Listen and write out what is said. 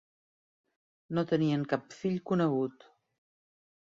No tenien cap fill conegut.